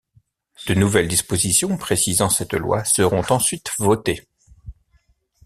De nouvelles dispositions précisant cette loi seront ensuite votées.